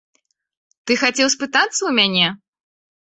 Ты хацеў спытацца ў мяне?